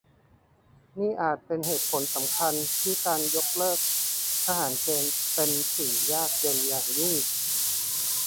นี่อาจเป็นเหตุผลสำคัญที่การยกเลิกทหารเกณฑ์เป็นสิ่งยากเย็นอย่างยิ่ง